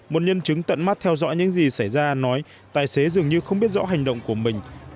một nhân chứng tận mắt theo dõi những gì xảy ra nói tài xế dường như không biết rõ hành động của mình